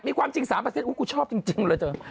มีความจริง๓กูชอบจริงเลยเถอะ